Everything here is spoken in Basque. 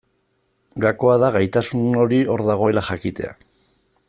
Gakoa da gaitasun hori hor dagoela jakitea.